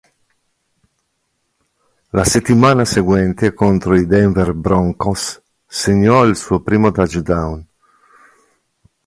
La settimana seguente contro i Denver Broncos segnò il suo primo touchdown.